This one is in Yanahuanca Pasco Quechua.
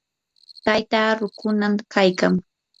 taytaa rukunam kaykan.